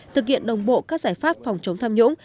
thực hiện đồng bộ các giải pháp phòng chống tham nhũng